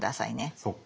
そっか。